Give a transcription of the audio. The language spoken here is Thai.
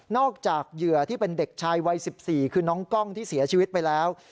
จากเหยื่อที่เป็นเด็กชายวัย๑๔คือน้องกล้องที่เสียชีวิตไปแล้ว